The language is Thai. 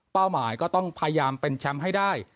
หมายก็ต้องพยายามเป็นแชมป์ให้ได้